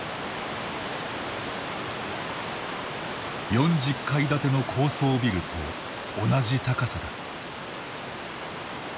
４０階建ての高層ビルと同じ高さだ。